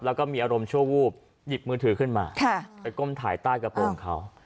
แล้วก็มีอารมณ์ชั่ววูบหยิบมือถือขึ้นมาไปก้มถ่ายใต้กระโปรงเขา